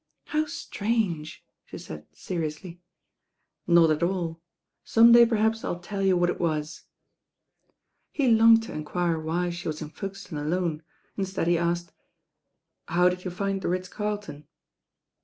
* ||How strange," she said seriously. ^ "NotataU. Some day perhaps I'll tell you what He longed to enquire why she was in Folkestone alone, mstead he asked— "How did you find the Ritz Carlton?"